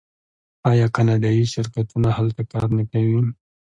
آیا کاناډایی شرکتونه هلته کار نه کوي؟